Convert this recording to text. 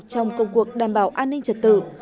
trong công cuộc đảm bảo an ninh trật tử